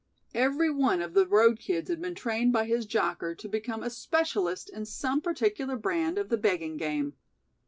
Everyone of the road kids had been trained by his jocker to become a specialist in some particular brand of the begging game.